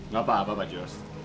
gak apa apa pak jos